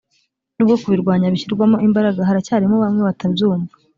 nubwo kubirwanya bishyirwamo imbaraga haracyarimo bamwe batabyumva